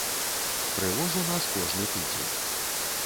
Прывоз у нас кожны тыдзень.